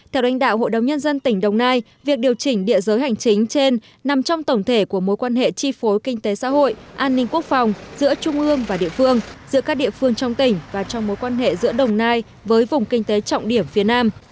theo đánh đạo hội đồng nhân dân tỉnh đồng nai việc điều chỉnh địa giới hành chính trên nằm trong tổng thể của mối quan hệ chi phối kinh tế xã hội an ninh quốc phòng giữa trung ương và địa phương giữa các địa phương trong tỉnh và trong mối quan hệ giữa đồng nai với vùng kinh tế trọng điểm phía nam